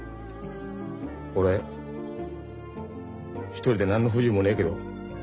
俺１人で何の不自由もねえけど。